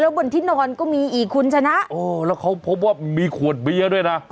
บนที่นอนก็มีอีกคุณชนะโอ้แล้วเขาพบว่ามีขวดเบียร์ด้วยนะ